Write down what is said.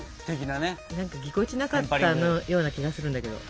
なんかぎこちなかったような気がするんだけど。